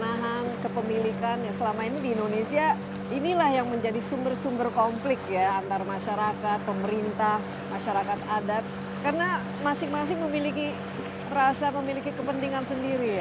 nah kepemilikan yang selama ini di indonesia inilah yang menjadi sumber sumber konflik ya antar masyarakat pemerintah masyarakat adat karena masing masing memiliki rasa memiliki kepentingan sendiri ya